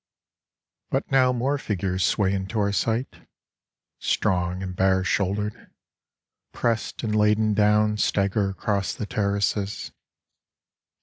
But now more figures sway into our sight ; Strong and bare shouldered, pressed and laden down Stagger across the terraces.